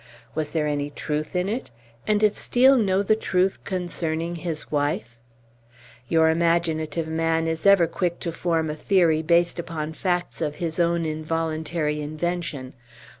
Was there any truth in it? And did Steel know the truth concerning his wife? Your imaginative man is ever quick to form a theory based upon facts of his own involuntary invention.